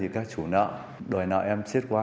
các chủ nợ đòi nợ em xếp qua